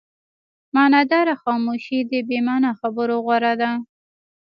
معناداره خاموشي د بې معنا خبرو غوره ده.